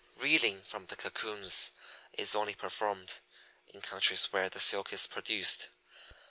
Reeling from the cocoons is only performed in countries where the silk is produced.